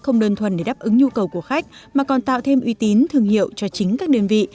không đơn thuần để đáp ứng nhu cầu của khách mà còn tạo thêm uy tín thương hiệu cho chính các đơn vị